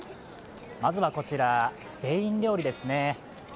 まずはこちら、スペイン料理ですね